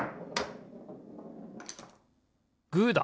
グーだ！